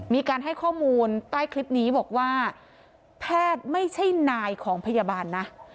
มีการให้ข้อมูลใต้คลิปนี้บอกว่าแพทย์ไม่ใช่นายของพยาบาลนะ